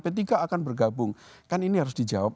p tiga akan bergabung kan ini harus dijawab